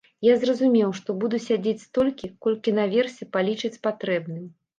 Я зразумеў, што буду сядзець столькі, колькі наверсе палічаць патрэбным.